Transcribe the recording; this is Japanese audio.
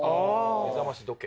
目覚まし時計。